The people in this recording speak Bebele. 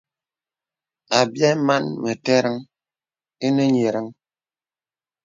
Àbyɛ̌ màn mə̀tə̀ràŋ ìnə nyə̀rəŋ.